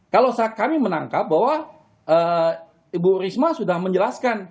kalau kami menangkap bahwa ibu risma sudah menjelaskan